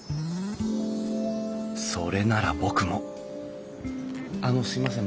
それなら僕もあのすいません。